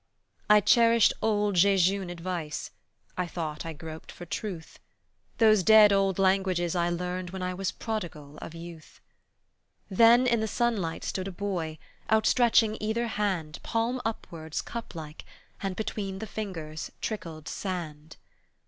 I cherished old, jejune advice; I thought I groped for truth; Those dead old languages I learned When I was prodigal of youth! Then in the sunlight stood a boy, Outstretching either hand, Palm upwards, cup like, and between The fingers trickled sand.